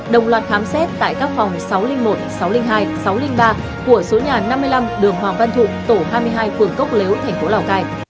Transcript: đồng loạt khám xét tại các phòng sáu trăm linh một sáu trăm linh hai sáu trăm linh ba của số nhà năm mươi năm đường hoàng văn thụ tổ hai mươi hai phường cốc lếu thành phố lào cai